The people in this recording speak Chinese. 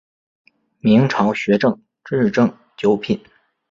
明朝学正秩正九品。